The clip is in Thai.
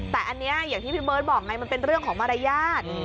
แต่อันนี้ที่พี่เบิ้ลบอกมันเป็นเรื่องของมารยาท